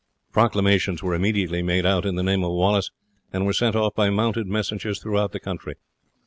Proclamations were immediately made out in the name of Wallace, and were sent off by mounted messengers throughout the country.